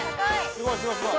すごいすごいすごい。